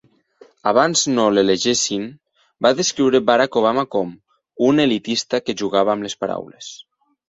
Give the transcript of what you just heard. Abans no l'elegissin, va descriure Barack Obama com "un elitista que jugava amb les paraules".